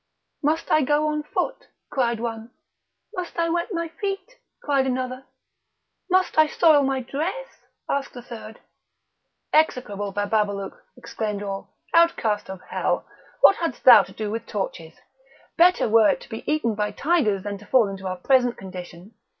"Must I go on foot?" said one; "Must I wet my feet?" cried another; "Must I soil my dress?" asked a third; "Execrable Bababalouk!" exclaimed all; "Outcast of hell! what hadst thou to do with torches? Better were it to be eaten by tigers than to fall into our present condition!